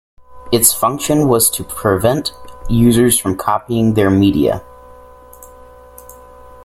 Its function was to prevent users from copying their media.